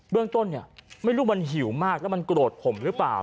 เรื่องต้นเนี่ยไม่รู้มันหิวมากแล้วมันโกรธผมหรือเปล่า